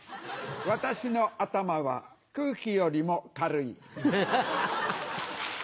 私の頭は空気よりも軽い。